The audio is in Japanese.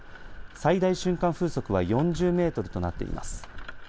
最大瞬間風速は４０メートルとなっています。